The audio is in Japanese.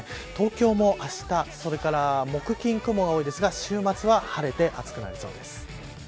東京もあしたそれから木、金雲が多いですが週末は晴れて暑くなりそうです。